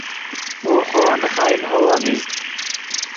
وو خوو نے خائن ہوو اڤزید